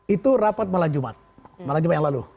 itu rapat malam jumat malam jumat yang lalu